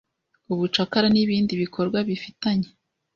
ubucakara n ibindi bikorwa bifitanye